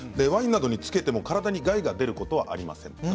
ワインにつけても体に害が出ることはありません。